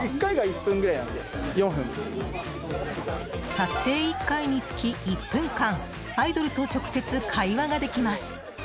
撮影１回につき、１分間アイドルと直接会話ができます。